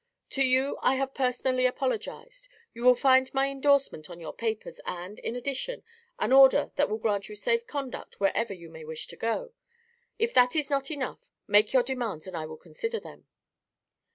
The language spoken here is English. To you I have personally apologized. You will find my endorsement on your papers and, in addition, an order that will grant you safe conduct wherever you may wish to go. If that is not enough, make your demands and I will consider them."